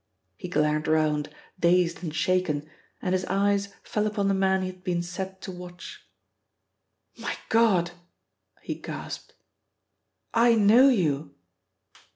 He glared round, dazed and shaken, and his eyes fell upon the man he had been set to watch. "My God!" he gasped. "I know you!"